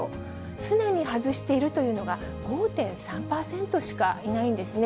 常に外しているというのが５．３％しかいないんですね。